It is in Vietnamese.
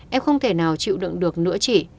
em không thể nào chịu đựng được nữa chị